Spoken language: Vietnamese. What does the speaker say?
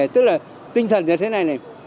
tức là tinh thần như thế này này